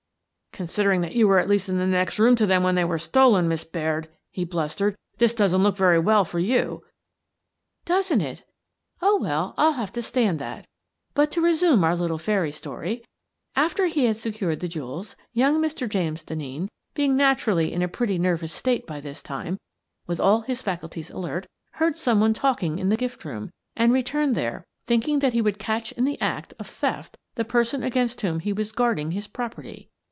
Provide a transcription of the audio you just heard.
" Considering that you were at least in the next room to them when they were stolen, Miss Baird," he blustered, "this doesn't look very well for you." " Doesn't it? Oh, well, I'll have to stand that But to resume our little fairy story: "After he had secured the jewels, young Mr. James Denneen, being naturally in a pretty nervous state by this time, with all his faculties alert, heard some one talking in the gift room and returned there, thinking that he would catch in the act of theft the person against whom he was guarding his property.